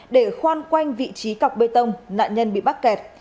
để khoan quanh vị trí cọc bê tông nạn nhân bị mắc kẹt